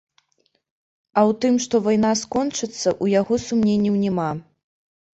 А ў тым, што вайна скончыцца, у яго сумненняў няма.